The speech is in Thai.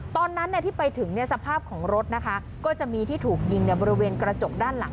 ตอนนั้นที่ไปถึงสภาพของรถนะคะก็จะมีที่ถูกยิงบริเวณกระจกด้านหลัง